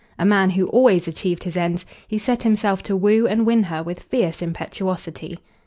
A man who always achieved his ends, he set himself to woo and win her with fierce impetuosity.